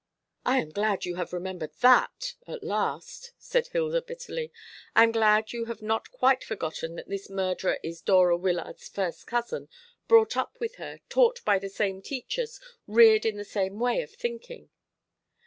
"I am glad you have remembered that at last," said Hilda bitterly. "I am glad you have not quite forgotten that this murderer is Dora Wyllard's first cousin brought up with her, taught by the same teachers, reared in the same way of thinking."